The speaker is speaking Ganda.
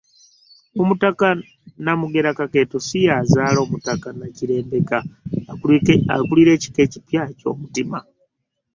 Omutaka Namugera Kakeeto si y’azaala Omutaka Nakirembeka akulira ekika ekipya eky’Omutima.